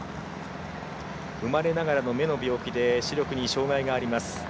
生まれながらの目の病気で視力に障がいがあります。